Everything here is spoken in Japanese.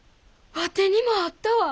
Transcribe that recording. ワテにもあったわ！